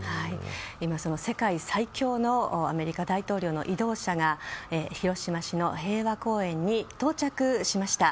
今、世界最強のアメリカ大統領の移動車が広島市の平和公園に到着しました。